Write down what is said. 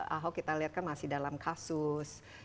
ahok kita lihat kan masih dalam kasus